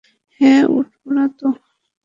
হ্যাঁ, উড়াতো।